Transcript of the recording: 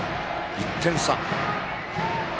１点差。